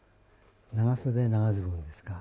長袖、長ズボンですから。